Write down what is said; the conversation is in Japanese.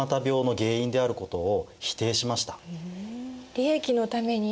利益のために？